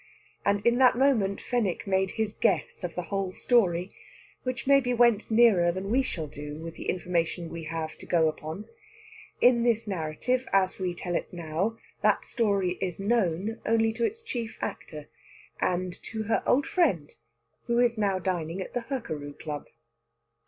And in that moment Fenwick made his guess of the whole story, which maybe went nearer than we shall do with the information we have to go upon. In this narrative, as we tell it now, that story is known only to its chief actor, and to her old friend who is now dining at the Hurkaru Club.